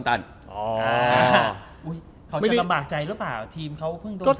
เขาจะลำบากใจหรือเปล่า